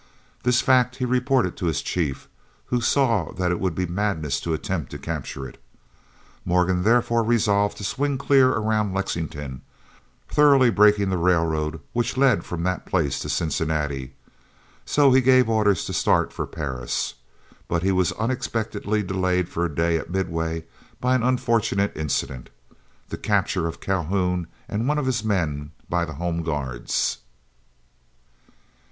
This fact he reported to his chief, who saw that it would be madness to attempt to capture it. Morgan therefore resolved to swing clear around Lexington, thoroughly breaking the railroad which led from that place to Cincinnati, so he gave orders to start for Paris. But he was unexpectedly delayed for a day at Midway by an unfortunate incident, the capture of Calhoun and one of his men by the Home Guards.